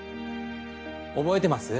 覚えてます？